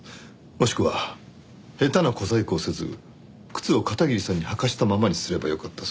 もしくは下手な小細工をせず靴を片桐さんに履かせたままにすればよかった。